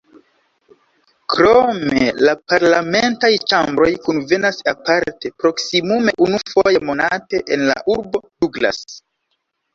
Krome la parlamentaj ĉambroj kunvenas aparte, proksimume unufoje monate, en la urbo Douglas.